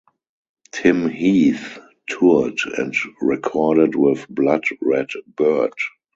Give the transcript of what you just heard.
Tim Heath toured and recorded with Blood Red Bird.